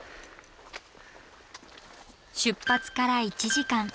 出発から１時間。